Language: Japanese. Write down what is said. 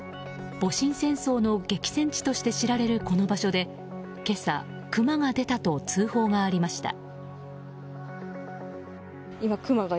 戊辰戦争の激戦地として知られるこの場所で今朝、クマが出たと通報がありました。